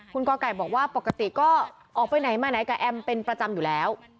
คุณกไก่บอกว่าปกติก็ออกไปไหนมาไหนกับแอมเป็นประจำอยู่แล้ว